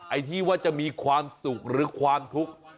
ไอ้ที่ว่าจะมีความสุขหรือความทุกข์